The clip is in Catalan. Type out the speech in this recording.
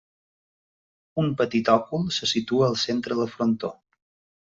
Un petit òcul se situa al centre del frontó.